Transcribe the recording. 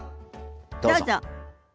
どうぞ。